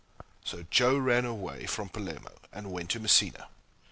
So Joe ran away from Palermo, and went to Messina.